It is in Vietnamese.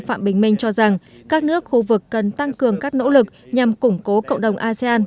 phạm bình minh cho rằng các nước khu vực cần tăng cường các nỗ lực nhằm củng cố cộng đồng asean